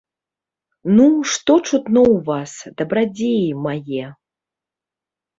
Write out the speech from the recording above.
Ну, што чутно ў вас, дабрадзеі мае?